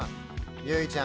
結実ちゃん